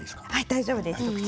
大丈夫です。